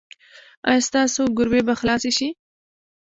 ایا ستاسو ګروي به خلاصه شي؟